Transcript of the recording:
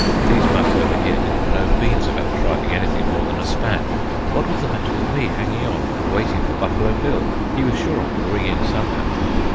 These mugs over here didn't know beans about driving anything more than a span. What was the matter with me hanging on and waiting for Buffalo Bill? He was sure I could ring in somehow.